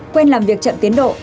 quen làm việc chậm tiến độ